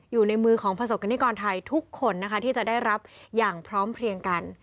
อยู่ในมือของประสบกรณิกรไทยทุกคนนะคะที่จะได้รับอย่างพร้อมเพลียงกัน